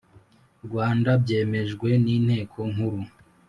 Rwanda byemejwe n Inteko Nkuru